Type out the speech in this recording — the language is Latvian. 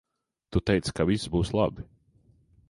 Tu teici ka viss būs labi.